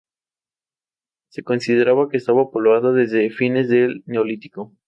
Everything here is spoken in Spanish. Se considera que está poblada desde fines del Neolítico.